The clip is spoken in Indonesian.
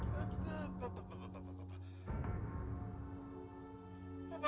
saya mau pinjam uang kak